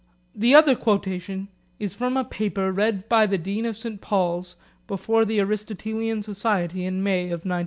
The other quotation is from a paper read by the Dean of St Paul's before the Aristotelian Society in May of 1919.